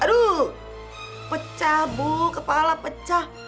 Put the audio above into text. aduh pecah bu kepala pecah